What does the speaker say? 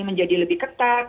menjadi lebih ketat